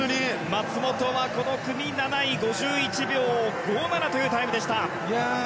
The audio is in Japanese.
松元は、この組７位５１秒５７というタイムでした。